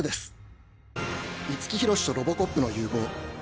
五木ひろしとロボコップの融合